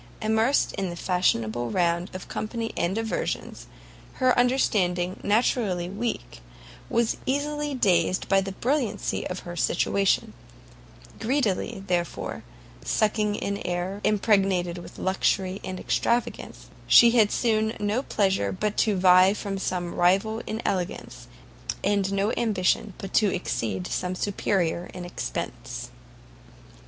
Immersed in the fashionable round of company and diversions, her understanding, naturally weak, was easily dazzled by the brilliancy of her situation; greedily, therefore, sucking in air impregnated with luxury and extravagance, she had soon no pleasure but to vie with some rival in elegance, and no ambition but to exceed some superior in expence.